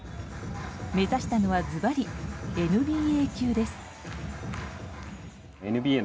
目指したのはずばり、ＮＢＡ級です。